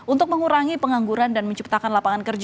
untuk mengurangi pengangguran dan menciptakan lapangan kerja